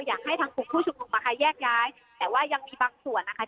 อยากให้ทางกลุ่มผู้ชุมนุมนะคะแยกย้ายแต่ว่ายังมีบางส่วนนะคะ